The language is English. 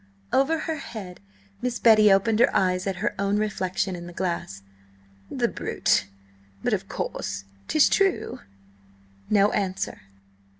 Over her head Miss Betty opened her eyes at her own reflection in the glass. "The brute! But, of course, 'tis true?" No answer.